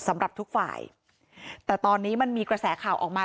สำหรับทุกฝ่ายแต่ตอนนี้มันมีกระแสข่าวออกมา